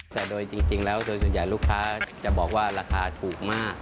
แต่โดยจริงแล้วโดยส่วนใหญ่ลูกค้าจะบอกว่าราคาถูกมาก